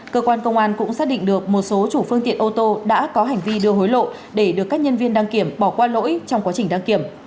cơ quan công an cũng xác định được một số chủ phương tiện ô tô đã có hành vi đưa hối lộ để được các nhân viên đăng kiểm bỏ qua lỗi trong quá trình đăng kiểm